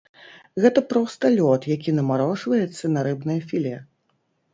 Гэта проста лёд, які намарожваецца на рыбнае філе.